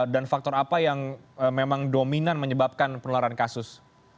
dan faktor apa yang memang dominan menyebabkan penularan kasus